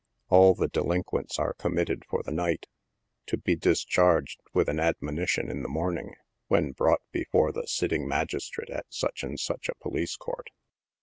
All the delinquents are committed for the night, to be discharged with an admonition in the morning, when brought before the sitting magistrate at such and such a police court.